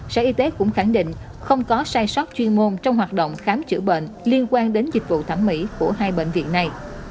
sở y tế cũng khẳng định không có sai sót chuyên môn trong hoạt động khám chữa bệnh liên quan đến dịch vụ thẩm mỹ của hai bệnh viện này